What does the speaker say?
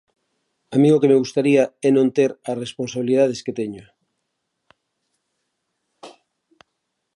A min o que me gustaría é non ter as responsabilidades que teño.